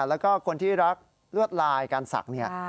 แล้วก็คนที่รักลวดลายการศักดิ์เนี่ย